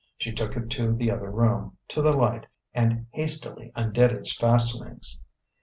She took it to the other room, to the light, and hastily undid its fastenings.